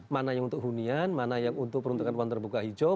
mana yang untuk hunian mana yang untuk peruntukan ruang terbuka hijau